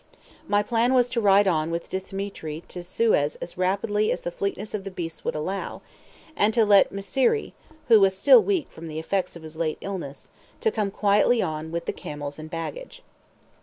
My plan was to ride on with Dthemetri to Suez as rapidly as the fleetness of the beasts would allow, and to let Myserri (who was still weak from the effects of his late illness) come quietly on with the camels and baggage.